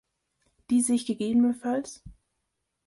Die sich ggf.